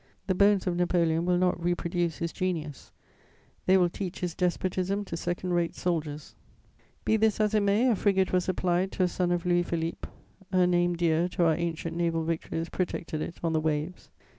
The bones of Napoleon will not reproduce his genius: they will teach his despotism to second rate soldiers. [Sidenote: Napoleon's home coming.] Be this as it may, a frigate was supplied to a son of Louis Philippe: a name dear to our ancient naval victories protected it on the waves.